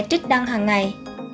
trích đăng hằng ngày